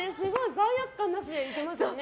罪悪感なしでいけますね。